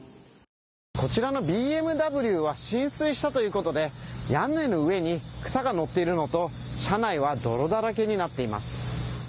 こちらのＢＭＷは浸水したということで屋根の上に草が載っているのと、車内は泥だらけになっています。